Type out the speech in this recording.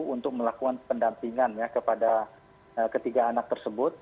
untuk melakukan pendampingan ya kepada ketiga anak tersebut